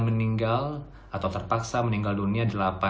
meninggal atau terpaksa meninggal dunia